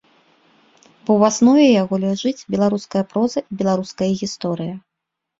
Бо ў аснове яго ляжыць беларуская проза і беларуская гісторыя.